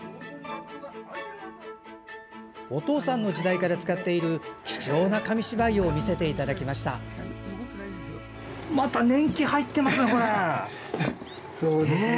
お父さんの時代から使っている貴重な紙芝居を見せていただきました。